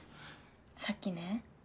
さっきね